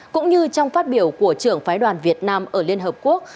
cũng như trong phát biểu của trưởng phái đoàn việt nam ở liên hợp quốc